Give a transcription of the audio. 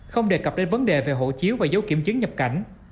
không đề cập đến vấn đề về hộ chiếu và dấu kiểm chứng nhập cảnh